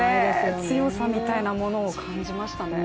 強さみたいなものを感じましたね。